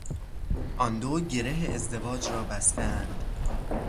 آن دو گره ازدواج را بستهاند.